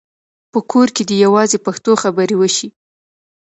په کور کې دې یوازې پښتو خبرې وشي.